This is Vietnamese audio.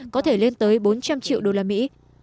có thể lên tới bốn trăm linh triệu đô la mỹ